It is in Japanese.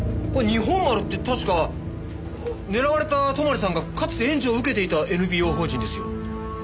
日本丸って確か狙われた泊さんがかつて援助を受けていたＮＰＯ法人ですよ。